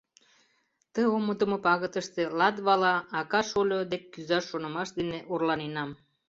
Ты омыдымо пагытыште Латвала ака-шольо дек кӱзаш шонымаш дене орланенам.